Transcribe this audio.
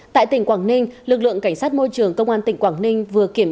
tại tỉnh quảng ninh lực lượng cảnh sát môi trường công an tỉnh quảng ninh vừa kiểm